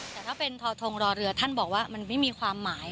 แต่ถ้าเป็นทอทงรอเรือท่านบอกว่ามันไม่มีความหมาย